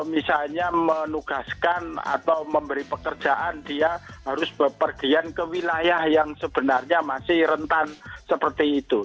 misalnya menugaskan atau memberi pekerjaan dia harus berpergian ke wilayah yang sebenarnya masih rentan seperti itu